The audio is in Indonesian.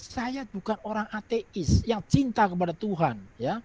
saya bukan orang ateis yang cinta kepada tuhan